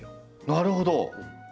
なるほど。